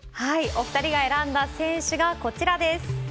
お２人が選んだ選手がこちらです。